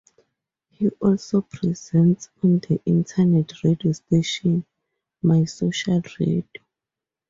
He also presents on the internet radio station My Social Radio.